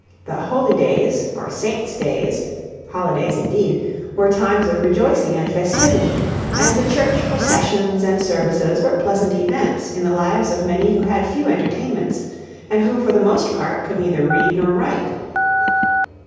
The 'holy' days, or saints' days, 'holidays' indeed, were times of rejoicing and festivity, and the Church processions and services were pleasant events in the lives of many who had few entertainments, and who for the most part could neither read nor write.